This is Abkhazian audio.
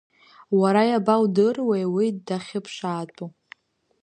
Уара иабаудыруеи уи дахьыԥшаатәу?